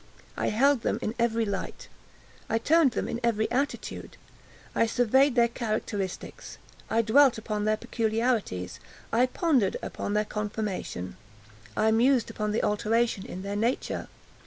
I held them in every light. I turned them in every attitude. I surveyed their characteristics. I dwelt upon their peculiarities. I pondered upon their conformation. I mused upon the alteration in their nature.